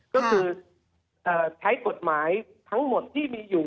ก็คือใช้กฎหมายทั้งหมดที่มีอยู่